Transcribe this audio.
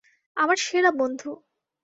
আমার সেরা বন্ধু।